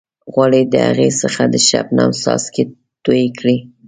غواړئ د هغې څخه د شبنم څاڅکي توئ کړئ.